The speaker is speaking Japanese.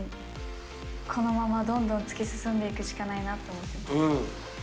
このままどんどん突き進んでいくしかないと思っています。